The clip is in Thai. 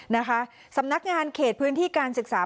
นะคะสำนักงานเขตพื้นที่การศึกษา